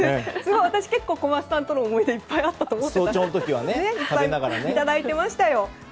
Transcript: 私、結構小松さんとの思い出いっぱいあったと思いますがいただいてましたよ。